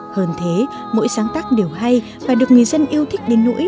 hơn thế mỗi sáng tác đều hay và được người dân yêu thích đến nỗi